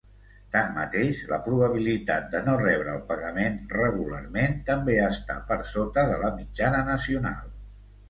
Tanmateix, la probabilitat de no rebre el pagament regularment també esta per sota de la mitjana nacional.